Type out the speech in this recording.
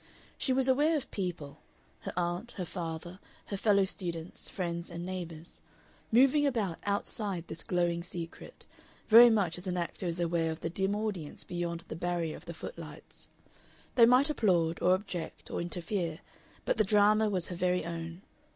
She was aware of people her aunt, her father, her fellow students, friends, and neighbors moving about outside this glowing secret, very much as an actor is aware of the dim audience beyond the barrier of the footlights. They might applaud, or object, or interfere, but the drama was her very own.